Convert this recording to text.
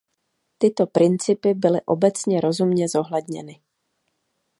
Tyto principy byly obecně rozumně zohledněny.